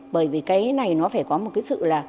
bởi vì cái này nó phải có một cái sự là